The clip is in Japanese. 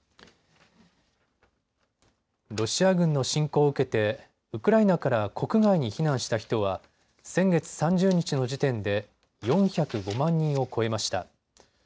ロシア軍の侵攻を受けてウクライナから国外に避難した人は先月３０日の時点で４０５万人を超えました。